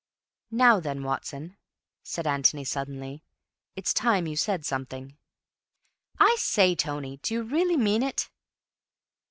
"Now then, Watson," said Antony suddenly. "It's time you said something." "I say, Tony, do you really mean it?"